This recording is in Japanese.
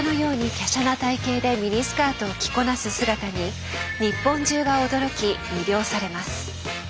きゃしゃな体形でミニスカートを着こなす姿に日本中が驚き魅了されます。